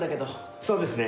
そうですね。